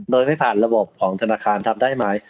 โดยไม่ผ่านระบบของธนาคารทำได้ไหม